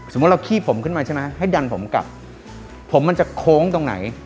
เราขี้ผมขึ้นมาใช่ไหมให้ดันผมกลับผมมันจะโค้งตรงไหน